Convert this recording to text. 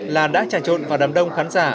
là đã tràn trộn vào đám đông khán giả